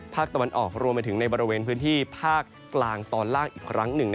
ภาคตะวันออกรวมไปถึงในบริเวณพื้นที่ภาคกลางตอนล่างอีกครั้งหนึ่ง